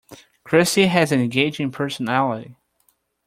Christy has an engaging personality.